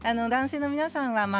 男性の皆さんは。